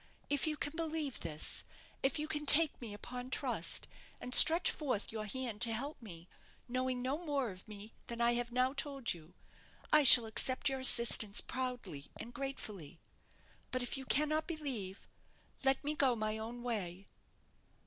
If you can believe this, if you can take me upon trust, and stretch forth your hand to help me, knowing no more of me than I have now told you, I shall accept your assistance proudly and gratefully. But if you cannot believe, let me go my own way."